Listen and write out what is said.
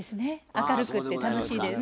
明るくって楽しいです。